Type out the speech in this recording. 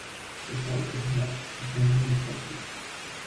The size of Mab is not known exactly.